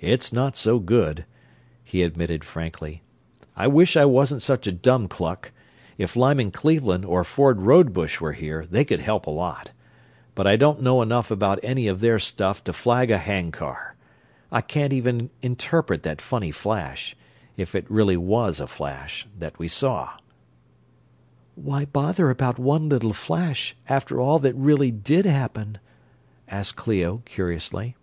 "It's not so good," he admitted frankly. "I wish I wasn't such a dumb cluck if Lyman Cleveland or Ford Rodebush were here they could help a lot, but I don't know enough about any of their stuff to flag a hand car. I can't even interpret that funny flash if it really was a flash that we saw." "Why bother about one little flash, after all that really did happen?" asked Clio, curiously.